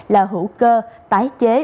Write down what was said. là hữu cơ tái chế